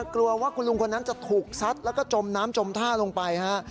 กลัวว่าคุณลุงคนนั้นจะถูกซัดแล้วก็จมน้ำจมท่าลงไปฮะ